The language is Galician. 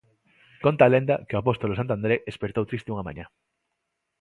Conta a lenda que o apóstolo santo André espertou triste unha mañá.